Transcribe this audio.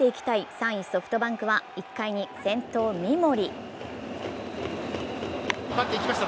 ３位・ソフトバンクは１回に先頭・三森。